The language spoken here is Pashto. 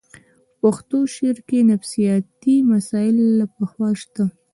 پښتو شعر کې نفسیاتي مسایل له پخوا شته